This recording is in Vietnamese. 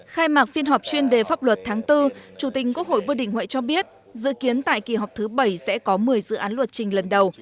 khai mạc phiên họp chuyên đề pháp luật tháng bốn chủ tịch quốc hội vương đình huệ cho biết dự kiến tại kỳ họp thứ bảy sẽ có một mươi dự án luật trình lần đầu